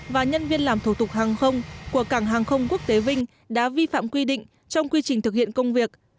và nhân viên làm thủ tục hàng không của cảng hàng không quốc tế vinh đã vi phạm quy định trong quy trình thực hiện công việc